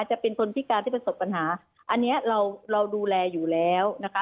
จะเป็นคนพิการที่ประสบปัญหาอันนี้เราเราดูแลอยู่แล้วนะคะ